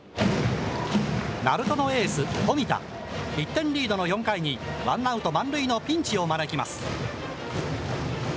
１点リードの４回に、ワンアウト満塁のピンチを招きます。